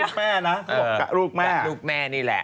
เอ่อลูกแม่เลยแหละ